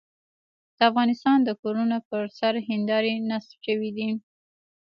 د افغانستان د کورونو پر سر هندارې نصب شوې دي.